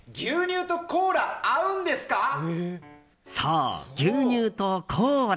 そう、牛乳とコーラ。